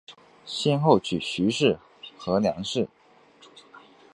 先后娶徐氏和梁氏。